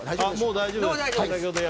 もう大丈夫です。